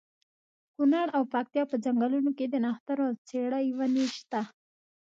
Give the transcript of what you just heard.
کونړ او پکتیا په ځنګلونو کې د نښترو او څېړۍ ونې شته.